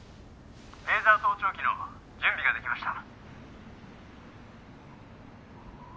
「レーザー盗聴器の準備が出来ました」